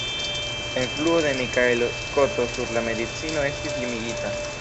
La influo de Mikaelo Skoto sur la medicino estis limigita.